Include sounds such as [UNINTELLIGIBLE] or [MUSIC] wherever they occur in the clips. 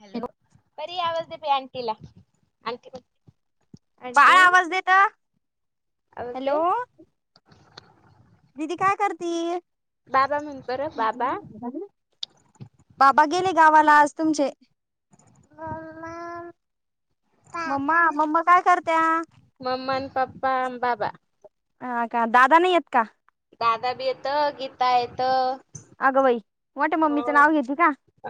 Hello Pari य आवज दे ते आटीला आटी काय आवाज देत हॅलो दिदी काय करतील? बाबा म्हण बरं बाबा बाबा गेले गावाला आज तुमचे हा. मम्मा मम्मा काय करत्या? हा का दादा नाही आहेत का? दादा बी येत गीता येत ह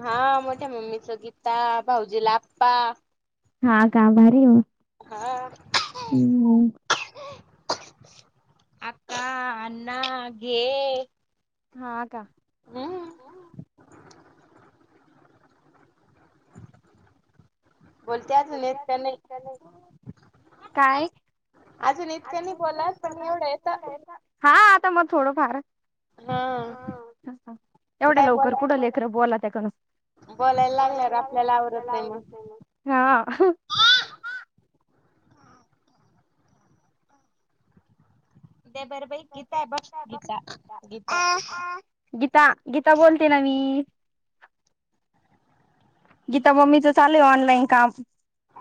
हा मोठ्या मम्मीच गीता भाऊजीला आप्पा हा का भारी हो. अका अन्ना घे हा का? बोलते आत नेत तर नाही [UNINTELLIGIBLE] काय आ नुतनीला पणव हा [UNINTELLIGIBLE] त म थोडं अ तस फार एवढ्या लवकर कुठं लेकर बोला त्या क बोलायला लागल्या र आपल्याला आवरत नाही म [UNINTELLIGIBLE] गीता गीता बोलते ना मी [UNINTELLIGIBLE] गीता मम्मीचं चालू हे ऑनलाईन काम.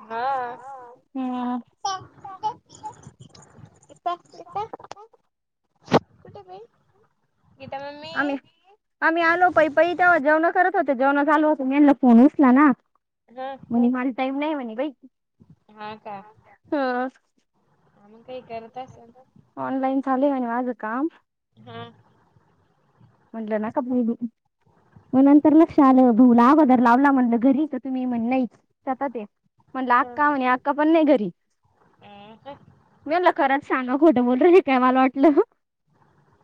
हा. इता इत [UNINTELLIGIBLE] [INAUDIBLE] कुठे भाई गीता मम्मी [UNINTELLIGIBLE] आम्ही आलो पाई, पाई तेव्हा जेवण करत होत जेवण झाल होतं यांनी फोन उचला ना, म्हणे माला टाइम नाही म्हणे बाई ह. काही करत असल. माझ काम. हम्म. म्हटलं ना, का [UNINTELLIGIBLE] म नंतर लक्षात आलं भाऊला अगोदर लावला म्हणलं घरी तर तुम्ही म्हण नाही शेतात हे. म्हणलं आक्का म्हणे आक्का पण नाही घरी मी म्हणल खरंच सांगा. खोट बोल र र ही काय मला वाटलं.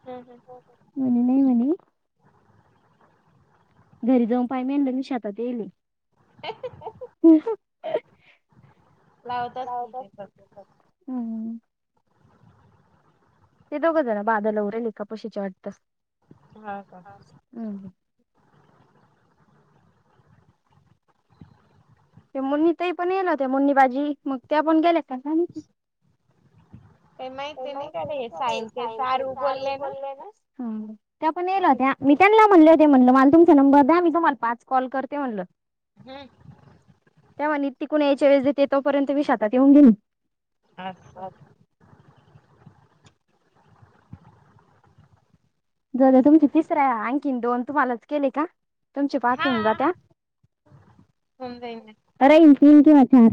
हम्म हम्म. हम्म. घरी जाऊन पाय मेनलं मी शातात येल हे. एकेत [UNINTELLIGIBLE] नाही तर हम्म. ते दोघं जण बादलव [UNINTELLIGIBLE] रे लेखपशीचे वाटत. हम्म. ते मुन्नी तही पण येल ते मुन्नी बाजी मग ते पण गेल्या [INAUDIBLE] [UNINTELLIGIBLE] र सु कर साय ते सारू बोलले ना, हा त्या पण येलो त्या मी त्यांना म्हणल. म्हणलं मला तुमचा नंबर द्या, मी तुमला पाच कॉल करते म्हणलं. हम्म. त्या म्हणे ती कुणी यायच्या वेळेस देते तोपर्यंत मी शातात येऊन गेली. आसं जर तुमची तिसऱ्या आन, खीन दोन तुम्हालाच केले का? तुमची पाच हून जात तरि [UNINTELLIGIBLE] चार.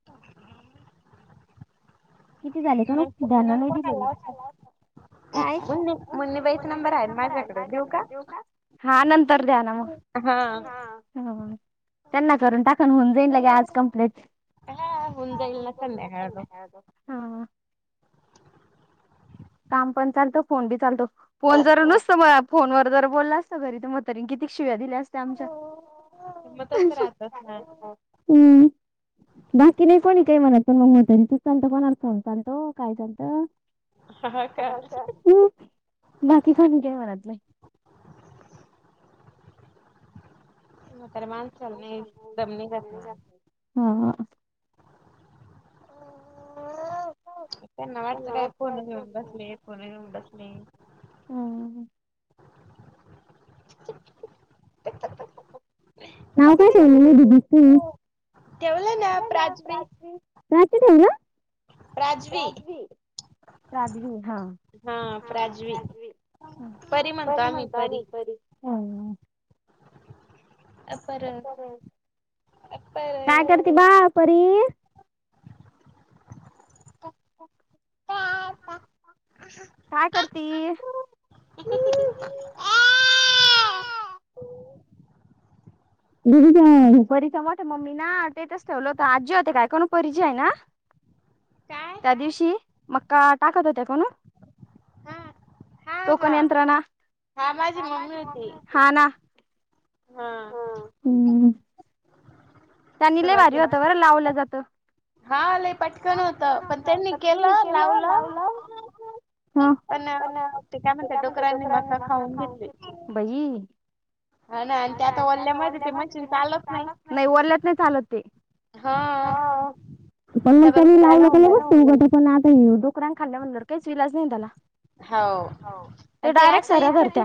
[UNINTELLIGIBLE] किती झाले का न ध्याना नाही, त सगली [UNINTELLIGIBLE] काहीच म्हणे काही ांब रा आहेल माहि त देऊ का हा नंतर द्या ना मग [UNINTELLIGIBLE] हा हम्म. त्यांना करून टाकून होऊन जाईन ल गे आज कंप्लीटन हा होन जाईन संध्याकाळ काम पण चालतं फोन बी चालतो फोन जरा नसत म फोनवर ज बोलला असत घरी तर मतारी किती शिव्या दिल्या असते आमच्या हम्म बाकी नाही कोणी काय म्हनात तर मग मग त्यांची चालत कोणा फन चालतो काय चालतं [UNINTELLIGIBLE] ह का. बाकी कोणी काय मनात नाही. तर मान चाणे जमनी करातमा [UNINTELLIGIBLE] हा. त्यांना वाटतं काय फोन घेऊन बसले फोन घेऊन बसणे. नाव काय ठले म ददी त ठेवले ना प्राची ठेवल. पा्दवि ह परी म्हणंत आम्ही परी काय करते बा परीर [UNINTELLIGIBLE] काय करती. ह. परिचा मोठ मम्मी ना तेेतच ठेवलं तर आजी होते कायकण परिचय ना. त्या दिवशी मक्का टाकत होत्या कोण टोकन यंत्रणा हा ना. हा हम्म. त्यांनी लय भारी होत बरं लावलं जात. त्यांनी केलं लावलं. पण त्याच्याच्या दुसऱ्या नी भाकर खाऊ घेतली बाई ह ना आणि त्या आता ओल्या माहि ते मशीन चालत नाही ओ. नाही चालत ते ह पण त्याने लावण्या चालू केला. नाही डुकरानि खाल्ल्यावर काहीच विलाच नाही त्याला ते डायरेक्ट सऱ्या भरत्या.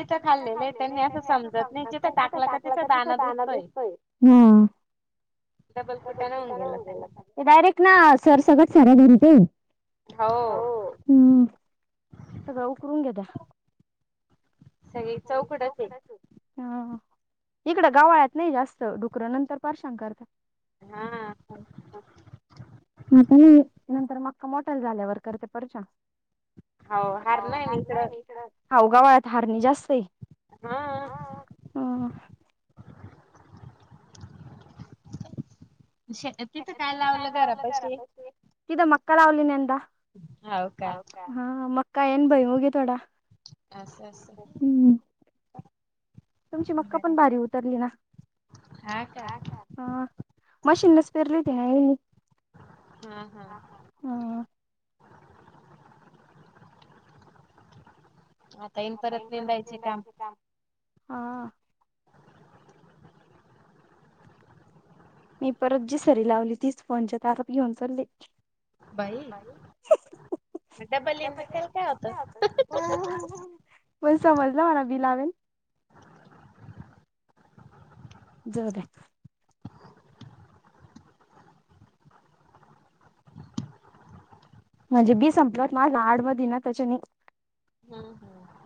इथ तिथं खाल्ले नाही त्या असं सांग तथ टाकला तर तिथ जाना बेसतोय. हा. डायरेक्ट ना सर सगळत साऱ्या दरीत आहे. हो. सगळं उकरलून घे द. ह. इकडं गावाळ्यात नाही जास्त डुकर नंतर पारशां करतात. नंतर मग मोटल झाल्यावर करते पचा नाही म इकड. हावगावाळ्यात हारणी जास्त आहे. हा. शेती ते तिथं काय लावलं घरा पशी तिथं मक्का लावली न यंदा हा मक्का येन भाई मुगे थोडा अस अस. तुमची मक्का पण भारी उतरली ना. ह मशिन नस पेरली ते हम. मई बरत्र यत का हा. मी परत जी सरी लावली तीच फोनच्या तर आता घेऊन चालले. काय? मण समजलं म्हणा बिलावेन. जोर. म्हणजे बी संपलं माझ आड म ना त्याच्यानी हम.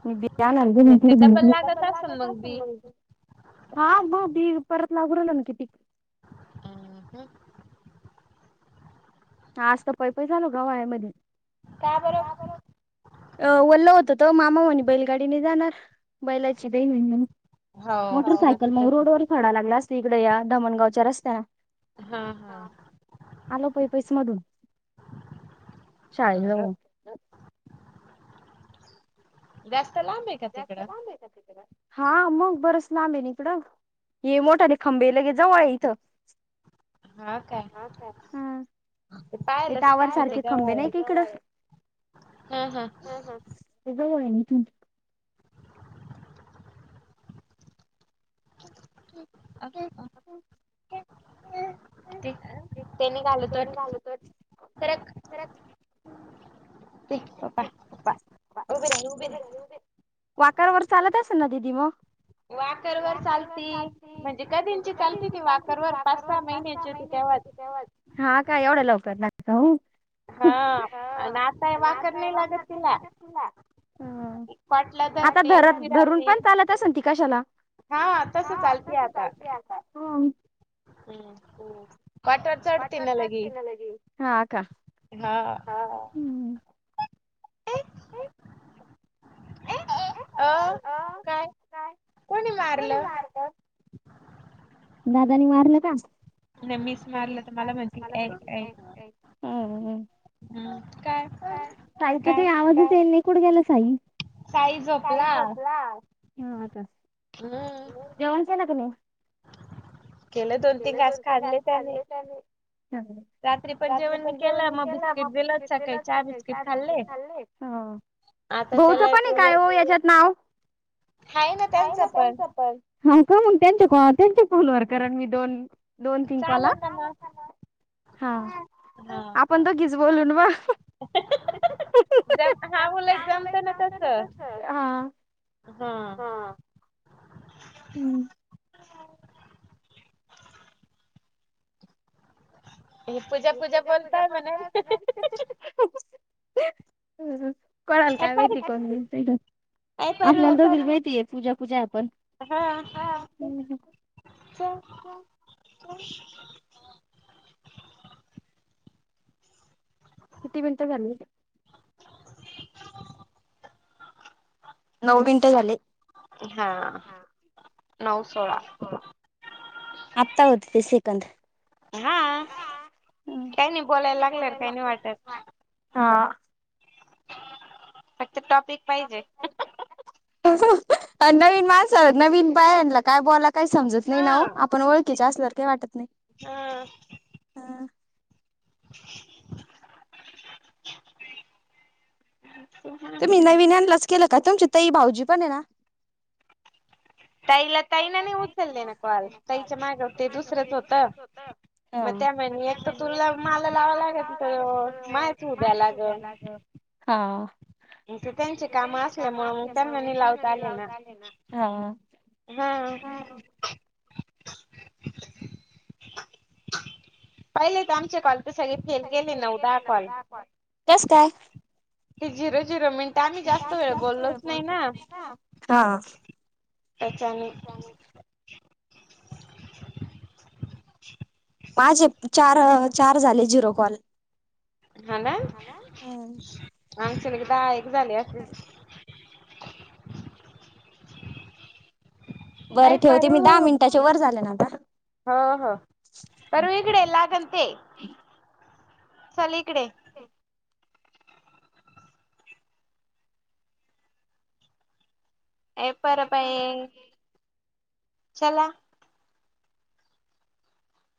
बला असल म्हज. हा भा भी परत लागूर ना किती? ह ह. हा आज तर पै पय झालो गवायामध्येब ओल होत त मामा म्हणी बैलगाडीने जाणार बैलाची दैन व मोटरसायकल मग रोडवर फडा लागला, अस त इकडे या धमणगावच्या रस्त्याना, हा हा, [UNINTELLIGIBLE] [UNINTELLIGIBLE] मग शाळेत जाऊ, [UNINTELLIGIBLE] जास्त काम आहे का आता तुला, हा मग बरच लांब आहेकडं, हे मोठा नाही खंबे लगे जवळ आहे इथं. हा काय, ते पायलाच नाही म ते गवाळ, हा, हा जवळ, आहेथून. [INAUDIBLE] [UNINTELLIGIBLE] ते म निघाले वाटत, तर [UNINTELLIGIBLE] ते पपा पपा ऊभी ऊभी रहा. वाकरवर चालत असल ना दिदी मग. वाकर वर चालती म्हणजे कधींची चालती ती, वाकरवर पाच सहा महिन्यांची होती तेव्हा हा काय एवढं लवकर लागं हा आणि आता मला [UNINTELLIGIBLE] ह आता धरत धरून पण चालत अस ती कशाला. हा तसं चालत आता, हम्म खाटावर चढते ना लगी, हा, का [UNINTELLIGIBLE] अं [INAUDIBLE] [UNINTELLIGIBLE] दादांनी मारलं का? ठेबीं च मारलीस मला म्हटली त एं ए़ काय काय तरी आवाज येतय कुठ गेली सायली. साई झोपला ह् जेवण केला की नाही? केलोय दोन तीन घास घालेत आणी रात्री पण जेवण मी केला, मग बीस्किट चहा बीस्किट खाल्ले. भाऊच पण आहे काय हो याच्यात नाव हा का मग मी तेन्च्या फोन वर करेन दोन, चालन ना म, हा आपण दोघीच बोलून व [UNINTELLIGIBLE] जम हा बोल जमत ना तस. हां [UNINTELLIGIBLE] हुम्म. पूजा पूजा करताय मला कुणाला काय माहिती आपला दोघीना माहिती आहे. पुजा. पुजा हा [UNINTELLIGIBLE] [INAUDIBLE] किती मिनटं झाली? नऊ मिनिट झाले हा. नऊ सोळा. आता होत ते सेकंद, हा काही नाही बोलायला लागल्यार काही नाही वाटत. ते टॉपिक पाहिजे, [UNINTELLIGIBLE] नवीन माणस नवीन बायाणंला काय बोला काही समजत नाही ना आपण ओळखीचे असल्या तर काय वाटत [INAUDIBLE] [UNINTELLIGIBLE] तुम्ही नविन आणलच केला च का तुमची तही भाऊजी पण आहे ना ताईला ताई ना नाही उचलले ना कॉल ताईच्या माझ्याकडे दुसरंच होत म्हणता म्हणे एक तर तुला माला लावां लागेल तर माहित उद्या लागल. मग त्यांचे काम असल्यामुळे मग त्यांना न लावता आले ना. हा हा पहिला आमचा काॅल सगळी फेल गेले डाव कॉल ते झीरो मिनिटं आम्ही जास्त वेळ बोललोच नाही ना. पचाानी. माझे चार, चार झाले झिरो कॉल. हा ना, आंमच एकदा एक झाले असतील. बरं ठेवते मी, दहा मिनिटाच्या वर झाले ना आता. हो, हो, परवु इकडे ये लागन ते चल इकडे. एपर पाय चला,